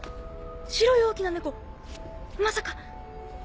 白い大きな猫まさか！